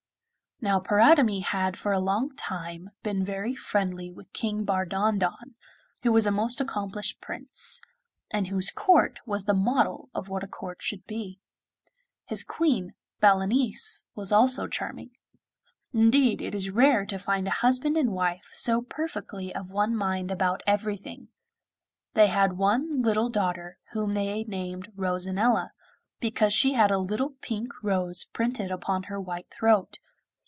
Now Paridamie had for a long time been very friendly with King Bardondon, who was a most accomplished Prince, and whose court was the model of what a court should be. His Queen, Balanice, was also charming; indeed it is rare to find a husband and wife so perfectly of one mind about everything. They had one little daughter, whom they had named 'Rosanella,' because she had a little pink rose printed upon her white throat.